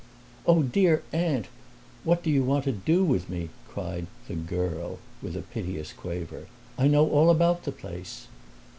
"Oh, dear Aunt, what do you want to do with me?" cried the "girl" with a piteous quaver. "I know all about the place!"